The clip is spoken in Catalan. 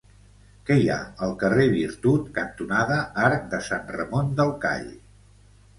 Què hi ha al carrer Virtut cantonada Arc de Sant Ramon del Call?